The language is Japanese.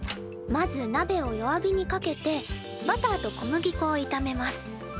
まずなべを弱火にかけてバターと小麦粉をいためます。